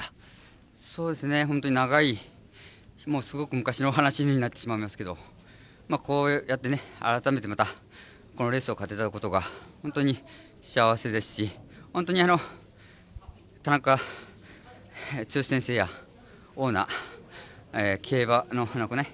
本当に長いすごく昔の話になってしまいますけどこうやって改めてこのレースを勝てたことが本当に幸せですし本当に田中剛選手やオーナー、競馬のね。